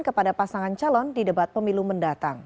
kepada pasangan calon di debat pemilu mendatang